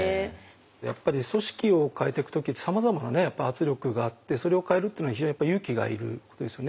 やっぱり組織を変えてく時ってさまざまなねやっぱ圧力があってそれを変えるっていうのは非常にやっぱり勇気がいることですよね。